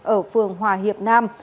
ở phường hòa hiệp nam